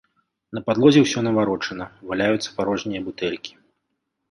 На падлозе ўсё наварочана, валяюцца парожнія бутэлькі.